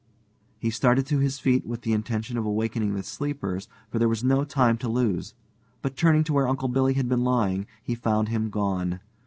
He started to his feet with the intention of awakening the sleepers, for there was no time to lose. But turning to where Uncle Billy had been lying, he found him gone.